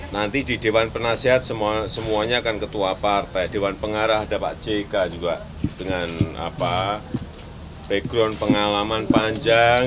nanti di dewan penasihat semuanya akan ketua partai dewan pengarah ada pak jk juga dengan background pengalaman panjang